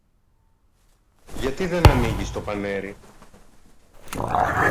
Γιατί δεν ανοίγεις το πανέρι;